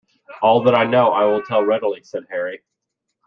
"All that I know I will tell readily," said Harry.